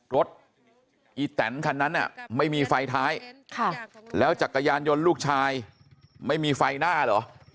รถอีแตนคันนั้นไม่มีไฟท้ายแล้วจักรยานยนต์ลูกชายไม่มีไฟหน้าเหรอ